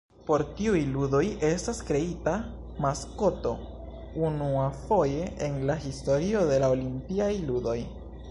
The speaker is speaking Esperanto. Por tiuj ludoj estas kreita maskoto unuafoje en la historio de la Olimpiaj ludoj.